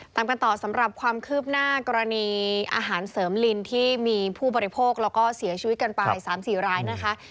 ตามกันต่อสำหรับความคืบหน้ากรณีอาหารเสริมลินที่มีผู้บริโภคแล้วก็เสียชีวิตกันไป๓๔รายนะคะ